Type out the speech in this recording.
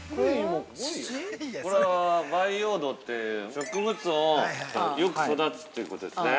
◆これは培養土という植物がよく育つということですね。